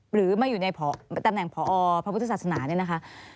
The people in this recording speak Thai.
หรือมาอยู่ในตำแหน่งพอพระพุทธศาสนาเนี่ยนะคะ